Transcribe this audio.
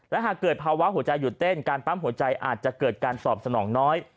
และหากเกิดภาวะหัวใจหยุดเต้นการปั๊มหัวใจอาจจะเกิดการตอบสนองน้อย